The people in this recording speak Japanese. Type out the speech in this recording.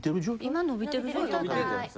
今伸びてる状態かな？